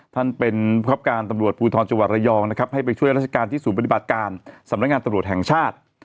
ท่านเป็นผู้คับการตำรวจภูทรจังหวัดระยองนะครับให้ไปช่วยราชการที่ศูนย์ปฏิบัติการสำนักงานตำรวจแห่งชาติ